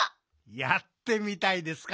やってみたいですか？